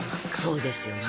そうですよね。